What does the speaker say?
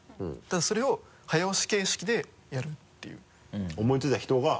それを早押し形式でやるっていう思いついた人が。